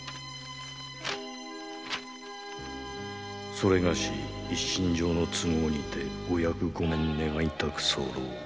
「それがし一身上の都合にてお役御免願いたく」